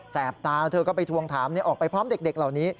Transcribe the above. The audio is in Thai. แปบตาเธอก็ไปทวงถามออกไปพร้อมเด็กเหล่านี้